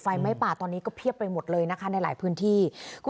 ไฟไหม้ป่าตอนนี้ก็เพียบไปหมดเลยนะคะในหลายพื้นที่